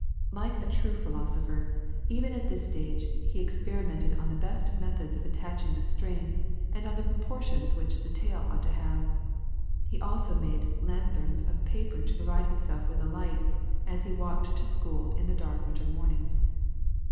Like a true philosopher, even at this stage he experimented on the best methods of attaching the string, and on the proportions which the tail ought to have. He also made lanthorns of paper to provide himself with light as he walked to school in the dark winter mornings.